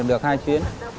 tầm được hai chuyến